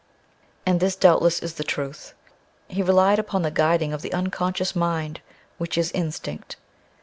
And this, doubtless, is the truth. He relied upon the guiding of the unconscious mind, which is instinct.